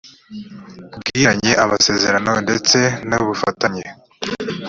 bgiranye amasezerano ndetse n’ubufatanye